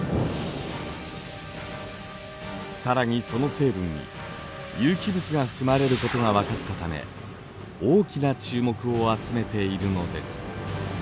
更にその成分に有機物が含まれることがわかったため大きな注目を集めているのです。